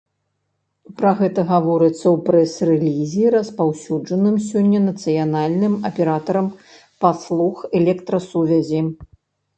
Пра гэта гаворыцца ў прэс-рэлізе, распаўсюджаным сёння нацыянальным аператарам паслуг электрасувязі.